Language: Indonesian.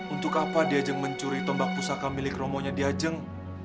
untuk apa diajeng mencuri tombak pusaka milik romonya diajeng